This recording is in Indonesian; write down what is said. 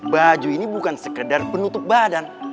baju ini bukan sekedar penutup badan